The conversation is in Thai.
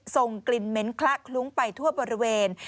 ส่งกลิ่นเหม็นคละคลุ้งไปทั่วบริเวณ